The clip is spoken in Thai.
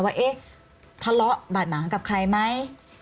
ว่าทะเลาะบาดหมากับใครไหม